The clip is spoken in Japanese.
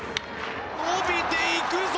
伸びていくぞ！